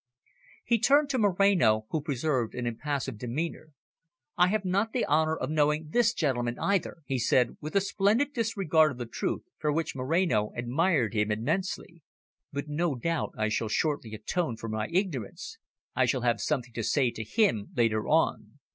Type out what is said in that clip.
He turned to Moreno, who preserved an impassive demeanour. "I have not the honour of knowing this gentleman, either," he said with a splendid disregard of the truth, for which Moreno admired him immensely. "But no doubt I shall shortly atone for my ignorance. I shall have something to say to him later on."